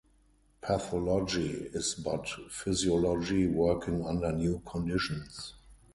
Pathology is but physiology working under new conditions.